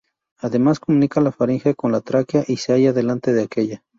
Además, comunica la faringe con la tráquea y se halla delante de aquella.